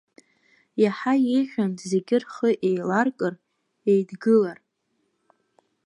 Иаҳа иеиӷьын зегьы рхы еиларкыр, еидгылар.